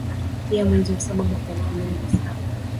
pia mwezi wa saba mwaka elfu mbili na saba